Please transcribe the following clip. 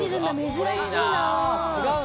珍しいな。